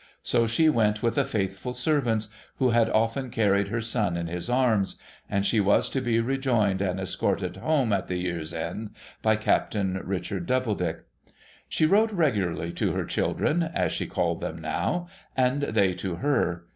So she went with a faithful servant, who had often carried her son in his arms ; and she was to be rejoined and escorted home, at the year's end, by Captain Richard Doubledick. She wrote regularly to her children (as she called them now), and they to her.